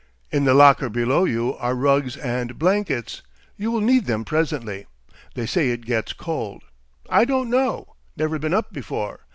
In the locker below you are rugs and blankets; you will need them presently. They say it gets cold. I don't know. Never been up before.